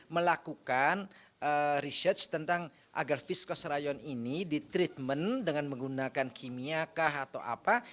melakukan research tentang agar viskoprayon ini ditreatment dengan menggunakan kimia kah atau apa